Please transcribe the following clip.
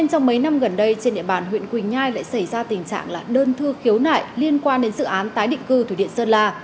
trong mấy năm gần đây trên địa bàn huyện quỳnh nhai lại xảy ra tình trạng là đơn thư khiếu nại liên quan đến dự án tái định cư thủy điện sơn la